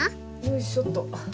よいしょっと。